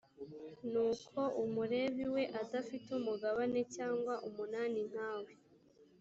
nuko umulevi we adafite umugabane cyangwa umunani nkawe